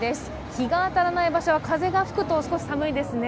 日が当たらない場所は、風が吹くと、少し寒いですね。